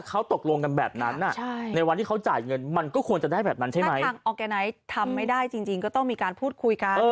คุณผู้ชมอาจจะมีคำถามในใจว่าเอ๊ะ๔๐๐๐๐บาท